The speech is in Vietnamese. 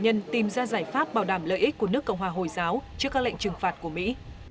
nhân tìm ra giải pháp bảo đảm lợi ích của nước cộng hòa hồi giáo trước các lệnh trừng phạt của mỹ